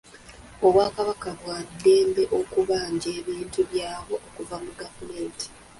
Obwakabaka bwa ddembe okubanja ebintu byabwo okuva mu gavumenti.